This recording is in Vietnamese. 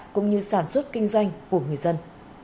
cũng như sản xuất kinh doanh của người dân